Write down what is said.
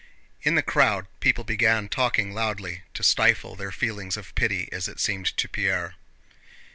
In the crowd people began talking loudly, to stifle their feelings of pity as it seemed to Pierre.